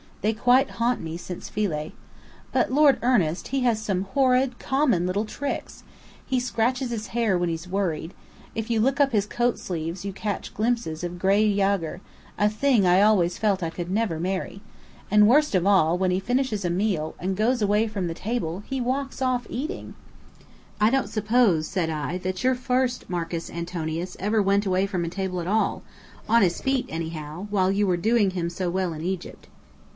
They quite haunt me, since Philae. But Lord Ernest, he has some horrid, common little tricks! He scratches his hair when he's worried. If you look up his coat sleeves you catch glimpses of gray Jaeger, a thing I always felt I could never marry. And worst of all, when he finishes a meal and goes away from the table, he walks off eating!" "I don't suppose," said I, "that your first Marcus Antonius ever went away from a table at all on his feet; anyhow, while you were doing him so well in Egypt.